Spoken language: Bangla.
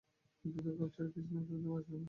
অদ্ভুত, খাপছাড়া কিছু না করলে তুমি বাঁচবে কেন?